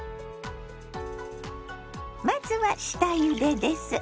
まずは下ゆでです。